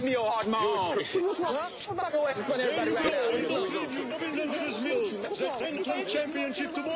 ありがとう。